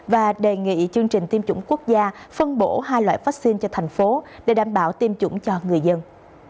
và đề nghị chương trình tiêm chủng quốc gia phân bổ hai loại vaccine cho thành phố để đảm bảo tiêm chủng cho người dân